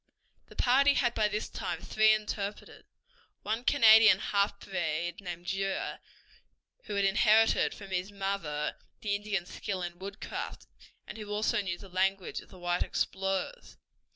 The party had by this time three interpreters, one a Canadian half breed named Drewyer, who had inherited from his mother the Indian's skill in woodcraft, and who also knew the language of the white explorers.